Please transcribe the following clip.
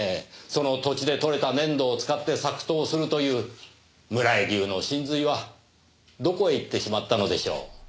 その土地でとれた粘土を使って作陶するという村井流の神髄はどこへ行ってしまったのでしょう？